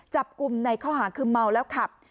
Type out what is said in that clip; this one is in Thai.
จับกลุ่มในข้อหาคือเมาแล้วขับ